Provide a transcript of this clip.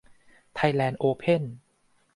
ไทยแลนด์โอเพ่น